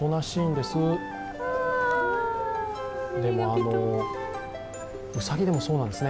でも、うさぎでもそうなんですね